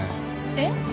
えっ？